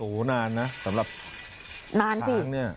โอ้โฮนานนะสำหรับช้างนี่